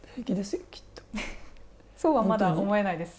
そうはまだ思えないです。